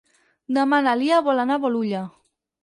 Demà na Lia vol anar a Bolulla.